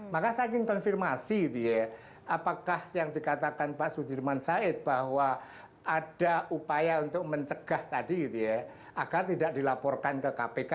maka saya ingin konfirmasi gitu ya apakah yang dikatakan pak sudirman said bahwa ada upaya untuk mencegah tadi gitu ya agar tidak dilaporkan ke kpk